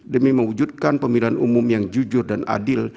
demi mewujudkan pemilihan umum yang jujur dan adil